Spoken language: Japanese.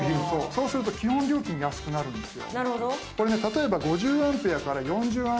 そうすると基本料金安くなるんですよ。